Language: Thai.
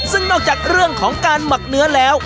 ซึ่งนอกจากเรื่องของการหมักเนื้อแล้ว